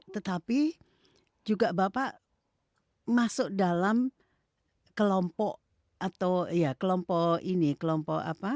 tetapi juga bapak masuk dalam kelompok atau ya kelompok ini kelompok apa